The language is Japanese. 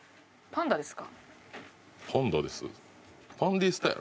「パンダです」。